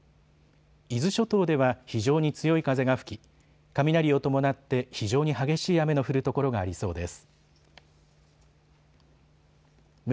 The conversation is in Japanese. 伊豆諸島では非常に強い風が吹き雷を伴って非常に激しい雨の降る所がありそうです。